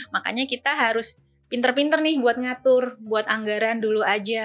makanya kita harus pinter pinter nih buat ngatur buat anggaran dulu aja